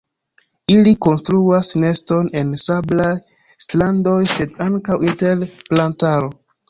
Ili konstruas neston en sablaj strandoj sed ankaŭ inter plantaro.